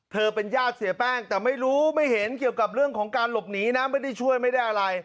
เป็นญาติเสียแป้งแต่ไม่รู้ไม่เห็นเกี่ยวกับเรื่องของการหลบหนีนะไม่ได้ช่วยไม่ได้อะไร